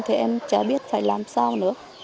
thì em chả biết phải làm sao nữa